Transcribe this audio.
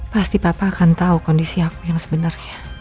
pasti papa akan tahu kondisi aku yang sebenarnya